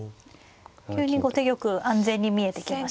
急に後手玉安全に見えてきました。